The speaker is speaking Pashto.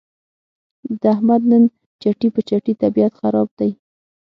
د احمد نن چټي په چټي طبیعت خراب دی.